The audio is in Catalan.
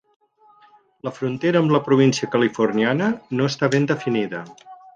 La frontera amb la província californiana no està ben definida.